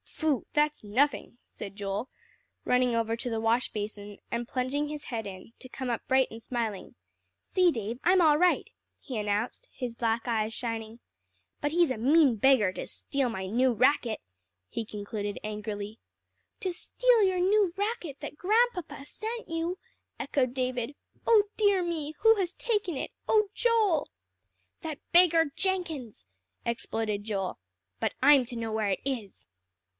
"Phoo! that's nothing," said Joel, running over to the wash basin, and plunging his head in, to come up bright and smiling. "See, Dave, I'm all right," he announced, his black eyes shining. "But he's a mean beggar to steal my new racket," he concluded angrily. "To steal your new racket that Grandpapa sent you!" echoed David. "Oh dear me! who has taken it? Oh Joel!" "That beggar Jenkins," exploded Joel. "But I'm to know where it is."